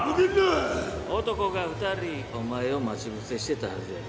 男が２人お前を待ち伏せしてたはずやろ？